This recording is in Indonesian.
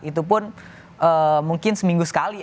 itu pun mungkin seminggu sekali